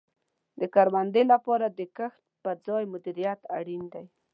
د کروندې لپاره د کښت په ځای مدیریت اړین دی.